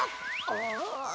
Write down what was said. ああ。